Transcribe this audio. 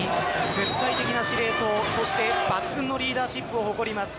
絶対的な司令塔そして抜群のリーダーシップを誇ります。